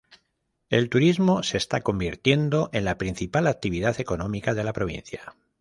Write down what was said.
El turismo se está convirtiendo en la principal actividad económica de la provincia.